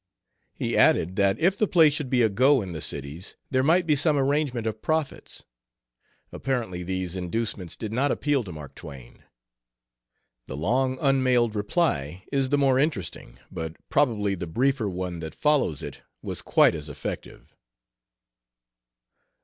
He added that if the play should be a go in the cities there might be some "arrangement" of profits. Apparently these inducements did not appeal to Mark Twain. The long unmailed reply is the more interesting, but probably the briefer one that follows it was quite as effective.